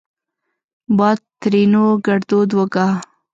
باد؛ ترينو ګړدود وګا